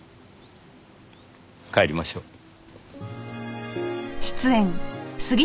帰りましょう。